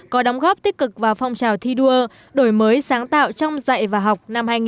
có đóng góp tích cực vào phong trào thi đua đổi mới sáng tạo trong dạy và học